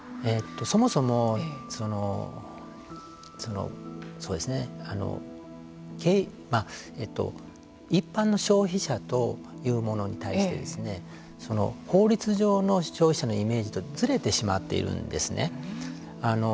そもそも一般の消費者とというものに対して法律上の消費者のイメージとずれてしまっているんですね。